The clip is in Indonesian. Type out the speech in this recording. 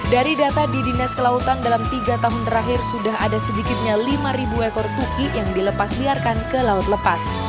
dari data di dinas kelautan dalam tiga tahun terakhir sudah ada sedikitnya lima ekor tuki yang dilepas liarkan ke laut lepas